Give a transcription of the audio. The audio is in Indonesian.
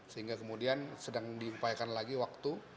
sehingga kemudian sedang diupayakan lagi waktu